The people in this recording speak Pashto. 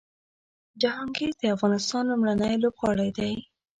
جهانګیر د افغانستان لومړنی لوبغاړی دی